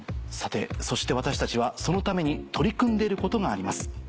そして私たちはそのために取り組んでいることがあります。